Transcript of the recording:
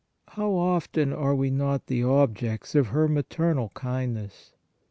How often are we not the objects of her maternal kindness!